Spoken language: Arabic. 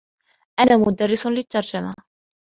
أنا مدرّس للتّرجمة.